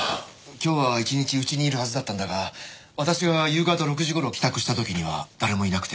今日は一日家にいるはずだったんだが私が夕方６時頃帰宅した時には誰もいなくて。